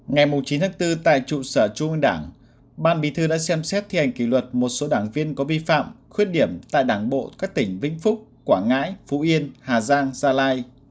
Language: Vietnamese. ngày chín tháng bốn tại trụ sở trung ương đảng ban bí thư đã xem xét thi hành kỷ luật một số đảng viên có vi phạm khuyết điểm tại đảng bộ các tỉnh vĩnh phúc quảng ngãi phú yên hà giang gia lai